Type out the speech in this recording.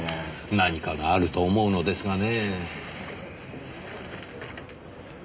何かがあると思うのですがねえ。